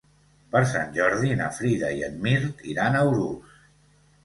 Per Sant Jordi na Frida i en Mirt iran a Urús.